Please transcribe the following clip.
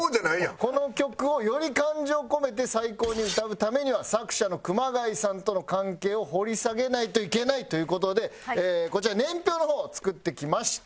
この曲をより感情込めて最高に歌うためには作者の熊谷さんとの関係を掘り下げないといけないという事でこちら年表の方作ってきました。